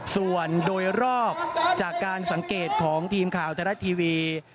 ส่วนโดยรอบจากการสังเกตของทีมข่าวไทยรัฐทีวี